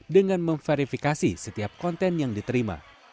dengan memverifikasi setiap konten yang diterima